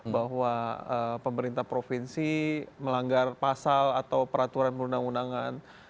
bahwa pemerintah provinsi melanggar pasal atau peraturan perundang undangan